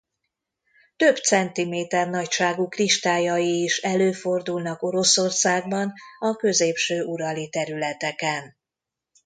Több centiméter nagyságú kristályai is előfordulnak Oroszországban a középső urali területeken.